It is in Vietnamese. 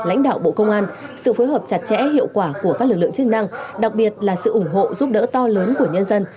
lãnh đạo bộ công an sự phối hợp chặt chẽ hiệu quả của các lực lượng chức năng đặc biệt là sự ủng hộ giúp đỡ to lớn của nhân dân